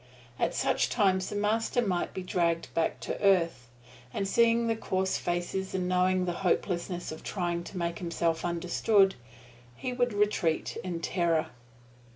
At such times the Master might be dragged back to earth, and seeing the coarse faces and knowing the hopelessness of trying to make himself understood, he would retreat in terror.